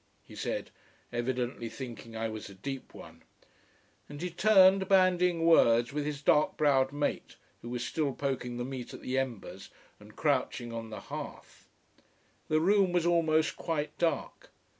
he said, evidently thinking I was a deep one. And he turned bandying words with his dark browed mate, who was still poking the meat at the embers and crouching on the hearth. The room was almost quite dark.